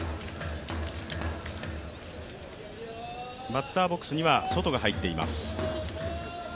バッターボックスにはソトが入っています。